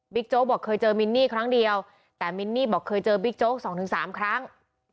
โจ๊กบอกเคยเจอมินนี่ครั้งเดียวแต่มินนี่บอกเคยเจอบิ๊กโจ๊ก๒๓ครั้ง